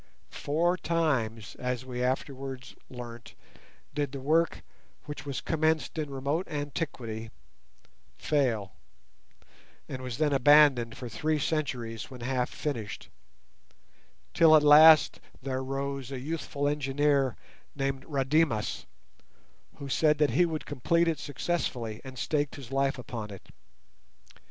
Four times, as we afterwards learnt, did the work, which was commenced in remote antiquity, fail, and was then abandoned for three centuries when half finished, till at last there rose a youthful engineer named Rademas, who said that he would complete it successfully, and staked his life upon it.